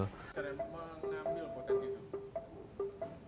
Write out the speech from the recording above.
cara mengambil potensi itu